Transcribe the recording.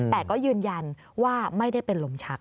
แต่ก็ยืนยันว่าไม่ได้เป็นลมชัก